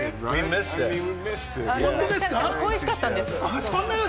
恋しかったんです。